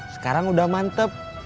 sekarang udah mantep